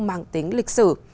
mang tính lịch sử